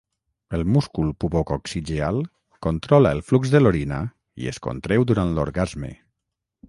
El múscul pubococcigeal controla el flux de l'orina i es contreu durant l'orgasme.